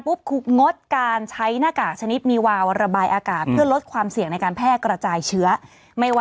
หูหนวกได้ไหมเถอะ